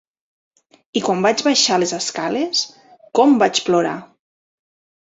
I quan vaig baixar les escales, com vaig plorar!